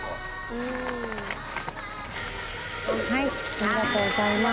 ありがとうございます。